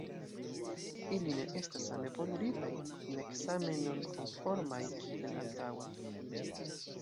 Ili ne estas same poluritaj, nek same normkonformaj kiel antaŭe.